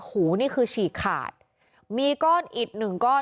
หูนี่คือฉีกขาดมีก้อนอิดหนึ่งก้อน